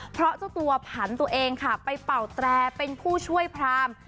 เพราะเจ้าตัวผันตัวเองค่ะไปเป่าแตรเป็นผู้ช่วยพราม